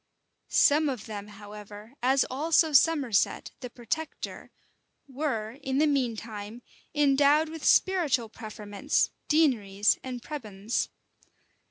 Some of them, however, as also Somerset, the protector, were, in the mean time, endowed with spiritual preferments, deaneries, and prebends.